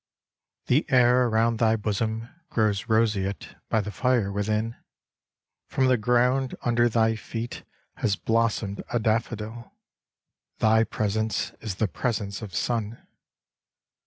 The air around thy bosom grows roseate By the fire within ; from the ground Under thy feet has blossomed a daffodil : Thy presence is the presence of Sun.